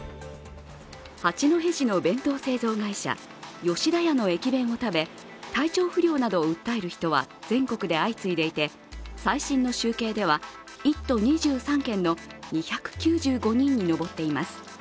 八戸市の弁当製造会社、吉田屋の駅弁を食べ体調不良などを訴える人が全国で相次いでいて最新の集計では１都２３県の２９５人に上っています。